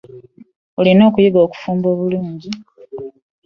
Olina okuyiga okufumba obulungi.